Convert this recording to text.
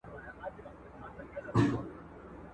كه پر مځكه شيطانان وي او كه نه وي !.